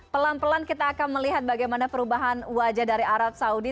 pelan pelan kita akan melihat bagaimana perubahan wajah dari arab saudi